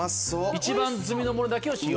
一番摘みのものだけを使用。